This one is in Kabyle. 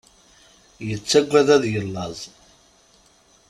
Yettaggad ad yellaẓ.